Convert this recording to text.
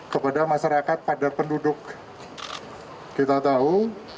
kepada masyarakat pada penduduk kita tahu